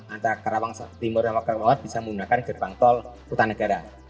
antara karawang timur dan karawang barat bisa menggunakan gerbang tol kota negara